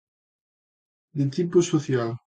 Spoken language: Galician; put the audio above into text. De tipo social.